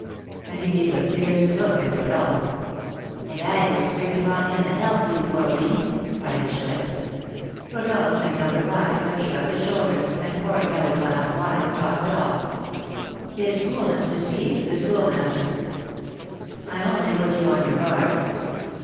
And he gave a fierce look at Rodolph. "And I will spring upon him and help you, fourline," cried the Chouette. Rodolph made no reply, but shrugged his shoulders, and, pouring out a glass of wine, tossed it off. His coolness deceived the Schoolmaster. "I only put you on your guard."